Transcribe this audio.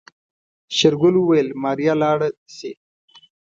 شېرګل وويل ماريا لاړه شي.